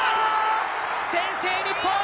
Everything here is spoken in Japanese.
先制、日本。